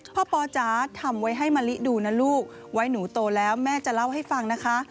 ปอจ๋าทำไว้ให้มะลิดูนะลูกไว้หนูโตแล้วแม่จะเล่าให้ฟังนะคะ